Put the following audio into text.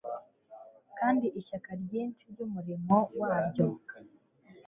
Kandi ishyaka ryinshi ry'umuriro waryo